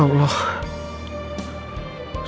ya allah ya allah